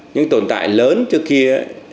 những tồn tại lớn trước kia